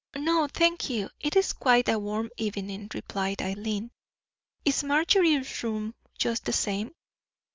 "No, thank you; it is quite a warm evening," replied Eileen. "Is Marjorie's room just the same?"